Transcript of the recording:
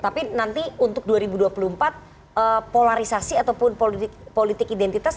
tapi nanti untuk dua ribu dua puluh empat polarisasi ataupun politik identitas